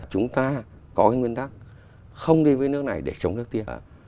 chúng ta có cái nguyên tắc không đi với nước này để chống nước kia